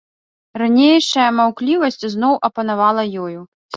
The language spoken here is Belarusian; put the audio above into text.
Ранейшая маўклівасць зноў апанавала ёю.